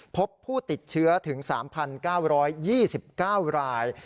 พบผู้ติดเชื้อถึง๓๙๒๙ราย